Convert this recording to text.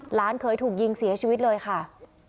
หลานเคยถูกยิงเสียชีวิตเลยค่ะ